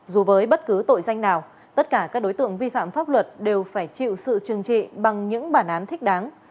dù với bất cứ tội danh nào tất cả các đối tượng vi phạm pháp luật đều phải chịu sự trừng trị bằng những bản án thích đáng